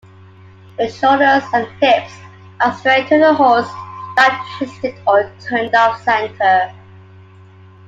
The shoulders and hips are square to the horse, not twisted or turned off-center.